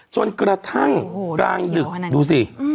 จนกระทั่งกลางดึกดูสิ